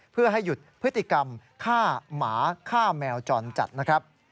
เพื่อให้หยุดพฤติกรรมฆ่าหมาฆ่าแมวจรจัดนะครับ